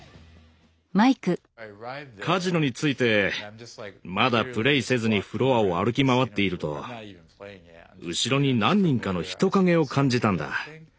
カジノに着いてまだプレイせずにフロアを歩き回っていると後ろに何人かの人影を感じたんだ。